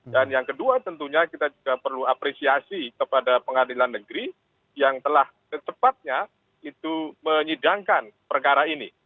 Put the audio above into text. dan yang kedua tentunya kita juga perlu apresiasi kepada pengadilan negeri yang telah secepatnya itu menyidangkan perkara ini